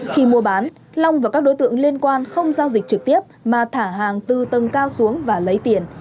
khi mua bán long và các đối tượng liên quan không giao dịch trực tiếp mà thả hàng từ tầng cao xuống và lấy tiền